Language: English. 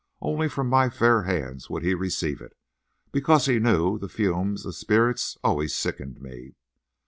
Only from my fair hands would he receive it— because he knew the fumes of spirits always sickened me.